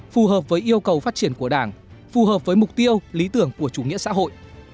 phù hợp với yêu cầu phát triển của đảng phù hợp với mục tiêu lý tưởng của chủ nghĩa xã hội